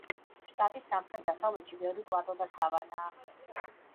შტატის სამხრეთ-დასავლეთში ბევრი პლატო და სავანაა.